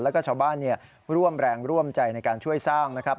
แล้วก็ชาวบ้านร่วมแรงร่วมใจในการช่วยสร้างนะครับ